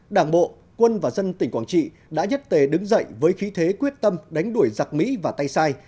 đảng bộ quân và dân tỉnh quảng trị đã nhất tề đứng dậy với khí thế quyết tâm đánh đuổi giặc mỹ và tay sai